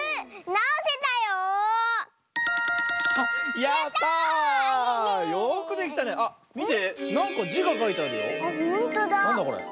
なんだこれ？